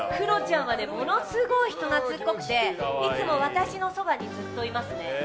ものすごい人懐っこくていつも私のそばにずっといますね。